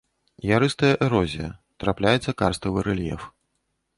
Ярыстая эрозія, трапляецца карставы рэльеф.